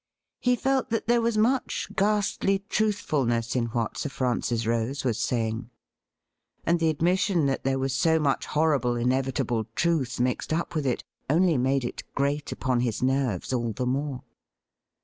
He felt that there was much ghastly truthfulness in what Sir Francis Rose was saying, and the admission that there was so much horrible inevitable truth mixed up with it only made it grate upon his nerves all the more.